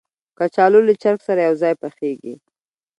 کچالو له چرګ سره یو ځای پخېږي